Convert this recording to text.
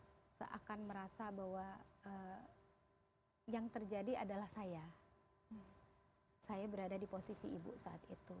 dan di situ saya seakan merasa bahwa yang terjadi adalah saya saya berada di posisi ibu saat itu